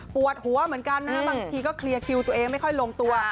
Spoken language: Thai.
ปวดหัวเหมือนกันนะบางทีก็เคลียร์คิวตัวเองไม่ค่อยลงตัว